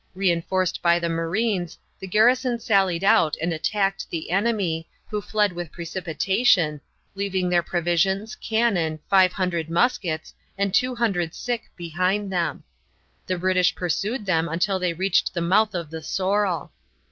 Re enforced by the marines, the garrison sallied out and attacked the enemy, who fled with precipitation, leaving their provisions, cannon, five hundred muskets, and two hundred sick behind them. The British pursued them until they reached the mouth of the Sorrel.